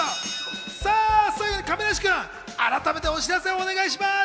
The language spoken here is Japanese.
最後に亀梨君、改めてお知らせお願いします。